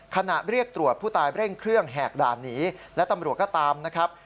เรียกตรวจผู้ตายเร่งเครื่องแหกด่านหนีและตำรวจก็ตามนะครับ